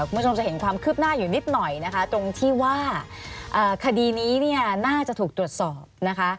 คุณผู้ชมจะเห็นความคืบหน้าอยู่นิดหน่อยนะคะตรงที่ว่าคดีนี้เนี่ยน่าจะถูกตรวจสอบนะคะ